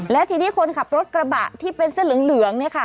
และทีนี้คนขับรถกระบะที่เป็นเสื้อเหลืองเนี่ยค่ะ